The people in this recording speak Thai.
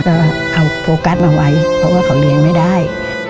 ก็ทำโฟกัสมาไว้เพราะว่าเขาเรียนไม่ได้